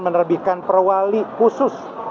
menerbitkan perwali khusus